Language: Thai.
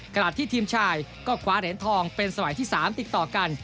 ขณะที่ทีมชายก็คว้าเหรียญทองเป็นสมัยที่๓ติดต่อกัน